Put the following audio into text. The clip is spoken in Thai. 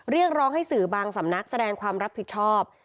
เรียกร้องให้สื่อบางสำนักแสดงความรับผิดชอบ